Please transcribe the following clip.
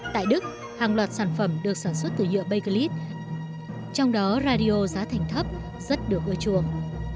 tại đức hàng loạt sản phẩm được sản xuất từ nhựa bacluet trong đó radio giá thành thấp rất được ưa chuộng